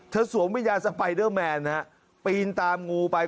สวมวิญญาณสไปเดอร์แมนปีนตามงูไป